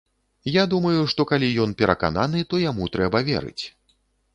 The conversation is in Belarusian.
Я думаю, што калі ён перакананы, то яму трэба верыць.